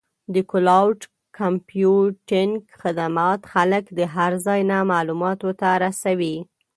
د کلاؤډ کمپیوټینګ خدمات خلک د هر ځای نه معلوماتو ته رسوي.